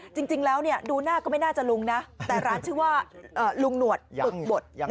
จริงแล้วดูหน้าก็ไม่น่าจะลุงนะแต่ร้านชื่อว่าลุงหนวดปึกบด